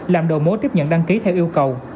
làm đồ mối tiếp nhận đăng ký theo yêu cầu